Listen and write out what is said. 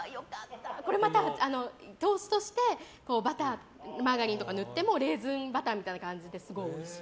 トーストしてバター、マーガリンとか塗ってもレーズンバターみたいな感じですごいおいしい。